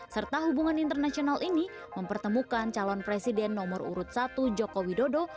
serta hubungan internasional ini mempertemukan calon presiden nomor urut satu joko widodo